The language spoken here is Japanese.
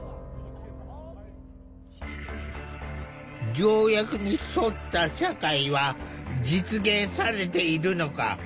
条約に沿った社会は実現されているのか。